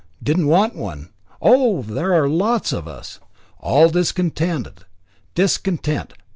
Didn't want none. Oh! there are lots of us. All discontented. Discontent!